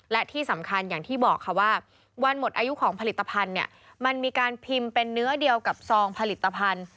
และที่สำคัญอย่างที่บอกค่ะว่าวันหมดอายุของผลิตภัณฑ์เนี่ยมันมีการพิมพ์เป็นเนื้อเดียวกับซองผลิตภัณฑ์